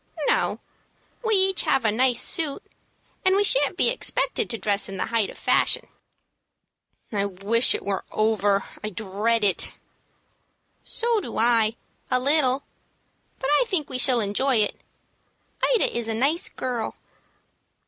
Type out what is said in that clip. "No, we have each a nice suit, and we shan't be expected to dress in the height of the fashion." "I wish it was over. I dread it." "So do I a little; but I think we shall enjoy it. Ida is a nice girl."